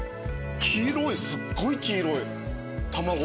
黄色いすっごい黄色い卵。